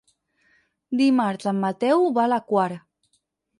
Dimarts en Mateu va a la Quar.